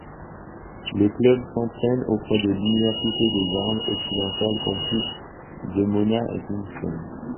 Le club s'entraîne auprès de l'université des Indes occidentales campus de Mona, à Kingston.